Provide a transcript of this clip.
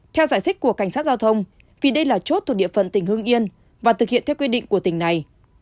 theo giải thích của cảnh sát giao thông vì đây là chốt thuộc địa phận tỉnh hương yên và thực hiện theo quy định của tỉnh này